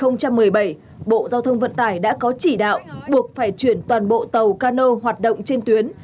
năm hai nghìn một mươi bảy bộ giao thông vận tải đã có chỉ đạo buộc phải chuyển toàn bộ tàu cano hoạt động trên tuyến